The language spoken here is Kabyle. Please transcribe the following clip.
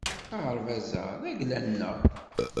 Aɣerbaz-a d agla-nneɣ